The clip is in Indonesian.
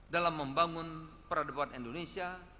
dalam membangun peradaban indonesia